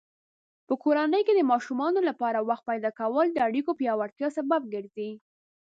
په کورنۍ کې د ماشومانو لپاره وخت پیدا کول د اړیکو پیاوړتیا سبب ګرځي.